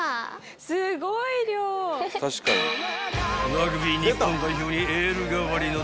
［ラグビー日本代表にエール代わりの］